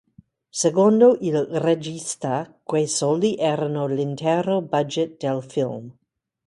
Secondo il regista quei soldi erano l'intero budget del film.